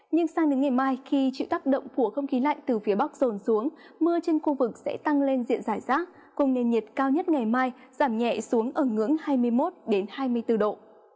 nhưng sang đến ngày mai khi chịu tác động của không khí lạnh từ phía bắc rồn xuống mưa trên khu vực sẽ tăng lên diện giải rác cùng nền nhiệt cao nhất ngày mai giảm nhẹ xuống ở ngưỡng hai mươi một hai mươi bốn độ